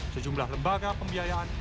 sejumlah lembaga pembiayaan